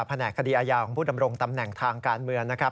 แหนกคดีอาญาของผู้ดำรงตำแหน่งทางการเมืองนะครับ